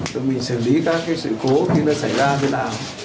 rồi mình xử lý các cái sự cố khi nó xảy ra thế nào